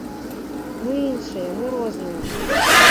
Мы іншыя, мы розныя.